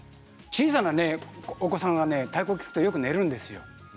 小さなお子さんが太鼓を聴くとよく寝るんですよ。